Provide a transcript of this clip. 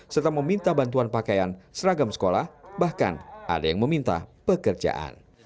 serta meminta bantuan pakaian seragam sekolah bahkan ada yang meminta pekerjaan